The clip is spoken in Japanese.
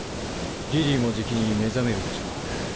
リリーもじきに目覚めるでしょう。